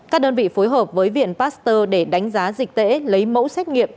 các đơn vị phối hợp với viện pasteur để đánh giá dịch tễ lấy mẫu xét nghiệm